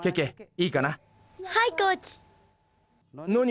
いいかな？